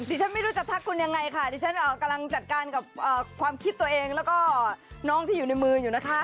ฉันไม่รู้จะทักคุณยังไงค่ะดิฉันกำลังจัดการกับความคิดตัวเองแล้วก็น้องที่อยู่ในมืออยู่นะคะ